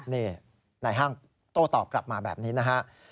นี่นายห้างโต้ตอบกลับมาแบบนี้นะฮะ